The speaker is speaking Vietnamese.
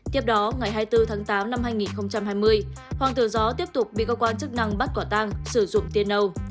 tiếp đó ngày hai mươi bốn tháng tám năm hai nghìn hai mươi hoàng tử gió tiếp tục bị cơ quan chức năng bắt quả tang sử dụng tiền nâu